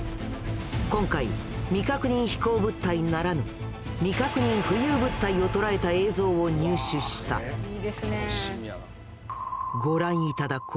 今回「未確認飛行物体」ならぬ「未確認浮遊物体」を捉えた映像を入手したうわ！